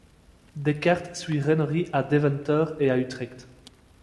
Descartes suit Reneri à Deventer et à Utrecht.